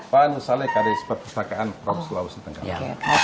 pak anusale kadis prustakaan provinsi sulawesi tenggara